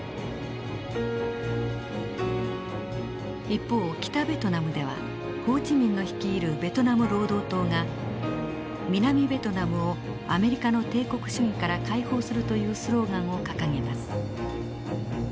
一方北ベトナムではホー・チ・ミンの率いるベトナム労働党が南ベトナムをアメリカの帝国主義から解放するというスローガンを掲げます。